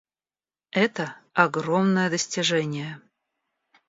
Это — огромное достижение.